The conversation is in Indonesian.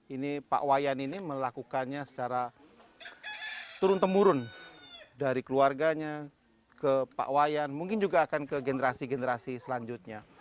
ini pak wayan ini melakukannya secara turun temurun dari keluarganya ke pak wayan mungkin juga akan ke generasi generasi selanjutnya